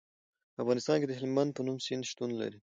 په افغانستان کې د هلمند په نوم سیند شتون لري.